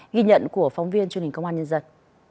ghi nhận của phóng viên truyền hình công an nhân dân